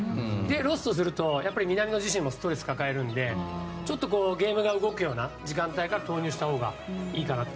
ロストすると南野自身もストレスを抱えるのでゲームが動くような時間帯から投入したほうがいいかなと。